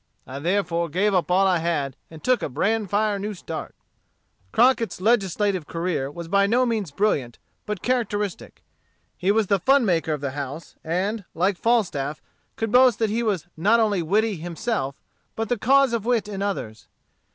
I therefore gave up all I had, and took a bran fire new start." Crockett's legislative career was by no means brilliant, but characteristic. He was the fun maker of the house, and, like Falstaff, could boast that he was not only witty himself, but the cause of wit in others.